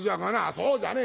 「そうじゃねえ